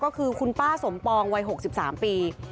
ก็คือคุณป้าสมปองวัย๖๓ปี